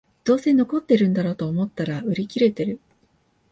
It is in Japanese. どうせ残ってんだろと思ったら売り切れてる